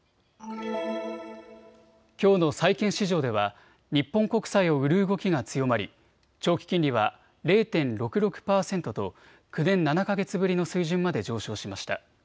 きょうの債券市場では日本国債を売る動きが強まり長期金利は０．６６％と９年７か月ぶりの水準まで上昇しました。